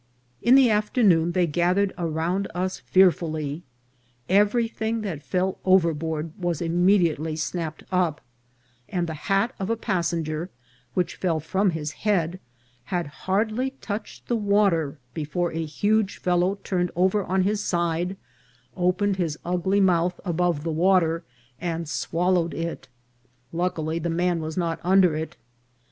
In the after noon they gathered around us fearfully. Everything that fell overboard was immediately snapped up ; and the hat of a passenger which fell from his head had hardly touched the water before a huge fellow turned over on his side, opened his ugly mouth above the water, and swallowed it : luckily, the man was not under it.